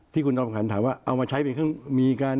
ที่คุณจอมขันถามว่าเอามาใช้เป็นเครื่องมีการ